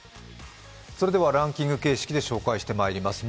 ランキング形式で紹介してまいります。